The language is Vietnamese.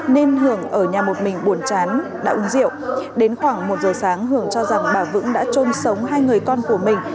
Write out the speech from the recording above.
nên hưởng ở nhà một mình buồn chán đã uống rượu đến khoảng một giờ sáng hưởng cho rằng bà vững đã trôn sống hai người con của mình